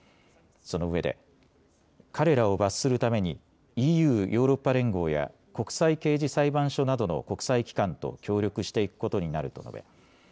そのうえで彼らを罰するためにＥＵ・ヨーロッパ連合や国際刑事裁判所などの国際機関と協力していくことになると述べ